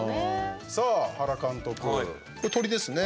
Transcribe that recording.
さあ原監督、これ鳥ですね。